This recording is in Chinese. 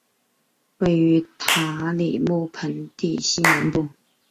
位于塔里木盆地西南部。